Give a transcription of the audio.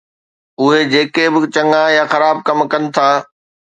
اهي جيڪي به چڱا يا خراب ڪم ڪن ٿا